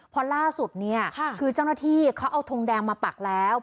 พอล่าสุดเนี่ยคือเจ้าหน้าที่เขาเอาทงแดงมาปักแล้ว